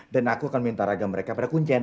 dan aku akan minta ragam mereka pada kuncin